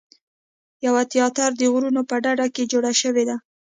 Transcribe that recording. یو تیاتر د غرونو په ډډه کې جوړ شوی دی.